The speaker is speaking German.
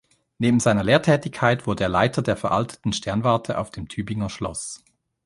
Neben seiner Lehrtätigkeit wurde er Leiter der veralteten Sternwarte auf dem Tübinger Schloss.